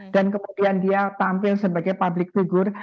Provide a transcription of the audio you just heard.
kemudian dia tampil sebagai public figure